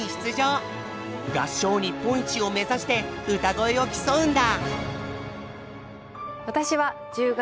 合唱日本一を目指して歌声を競うんだ。